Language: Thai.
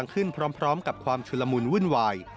ขึ้นพร้อมกับความชุลมุนวุ่นวาย